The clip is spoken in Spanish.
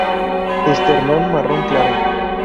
Esternón marrón claro.